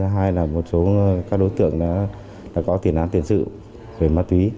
hai là một số các đối tượng đã có tiền án tiền sự về ma túy